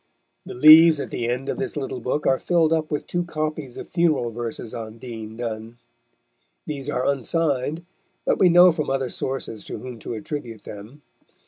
The leaves at the end of this little book are filled up with two copies of funeral verses on Dean Donne. These are unsigned, but we know from other sources to whom to attribute them.